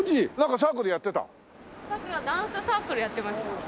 サークルはダンスサークルやってました。